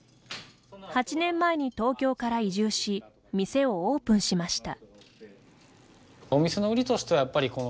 ８年前に東京から移住し店をオープンしました。